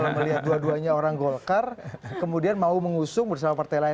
kalau melihat dua duanya orang golkar kemudian mau mengusung bersama partai lain